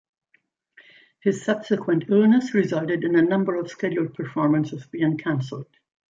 His subsequent illness resulted in a number of scheduled performances being cancelled.